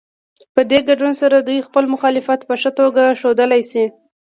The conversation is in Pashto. په دې ګډون سره دوی خپل مخالفت په ښه توګه ښودلی شي.